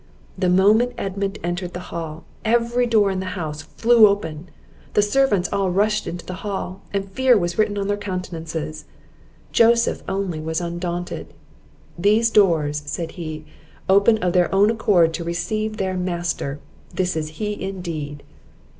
The moment Edmund entered the hall, every door in the house flew open; the servants all rushed into the hall, and fear was written on their countenances; Joseph only was undaunted. "These doors," said he, "open of their own accord to receive their master! this is he indeed!"